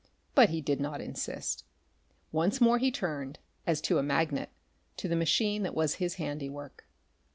But he did not insist. Once more he turned, as to a magnet, to the machine that was his handiwork.